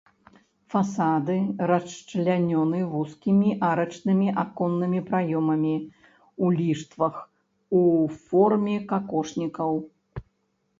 Фасады расчлянёны вузкімі арачнымі аконнымі праёмамі ў ліштвах у форме какошнікаў.